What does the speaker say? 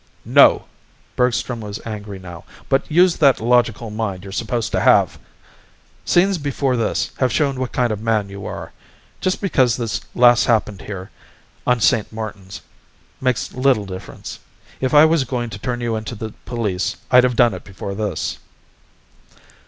"No." Bergstrom was angry now. "But use that logical mind you're supposed to have! Scenes before this have shown what kind of man you are. Just because this last happened here on St. Martin's makes little difference. If I was going to turn you in to the police, I'd have done it before this."